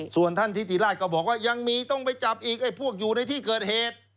ส่วนท่านทิติราชก็บอกว่ายังมีต้องไปจับอีกไอ้พวกอยู่ในที่เกิดเหตุ